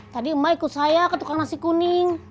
tadi mbak ikut saya ke tukang nasi kuning